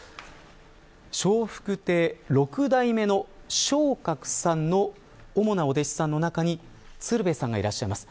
笑福亭６代目の松鶴さんの主なお弟子さんの中に鶴瓶さんがいらっしゃいます。